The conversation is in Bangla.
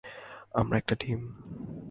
আমরা একটা টিম।